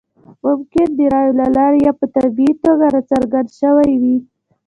ممکن د رایو له لارې یا په طبیعي توګه راڅرګند شوی وي.